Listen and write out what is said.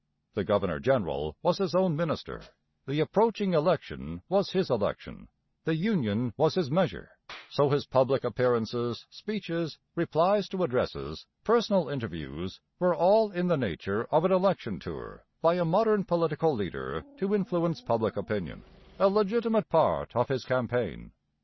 The governor general was his own minister, the approaching election was his election, the Union was his measure; so his public appearances, speeches, replies to addresses, personal interviews were all in the nature of an election tour by a modern political leader to influence public opinion, a legitimate part of his campaign.